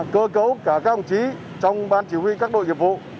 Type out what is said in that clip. cơ cấu cả các ông chí trong ban chỉ huy các đội nghiệp vụ